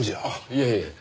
いえいえ。